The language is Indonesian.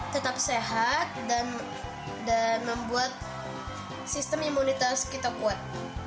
tetap sehat dan membuat sistem imunitas kita kuat